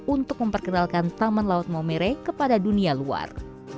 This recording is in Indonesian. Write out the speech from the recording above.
untuk memperkenalkan taman laut maumere kepada dunia luar